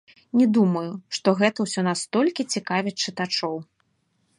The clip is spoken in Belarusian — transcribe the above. Не думаю, што гэта ўсё настолькі цікавіць чытачоў.